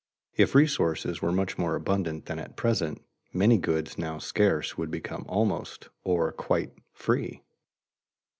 If resources were much more abundant than at present, many goods now scarce would become almost, or quite, free.